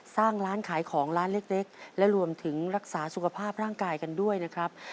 สร้างร้านขายของร้านเล็กและรวมถึงรักษาสุขภาพร่างกายกันด้วยนะครับ